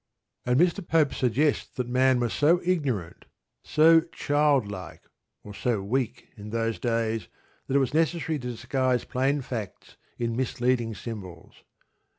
And Mr. Pope suggests that man was so ignorant, so childlike, or so weak in those days that it was necessary to disguise plain facts in misleading symbols.